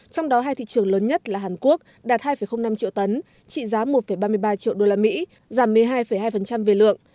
trong đó hai thị trường lớn nhất là hàn quốc đạt hai năm triệu tấn trị giá một ba mươi ba triệu usd giảm một mươi hai hai về lượng